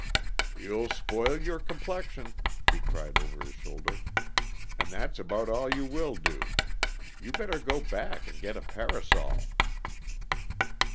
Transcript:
"You'll spoil your complexion," he cried over his shoulder, "and that's about all you will do. You better go back and get a parasol."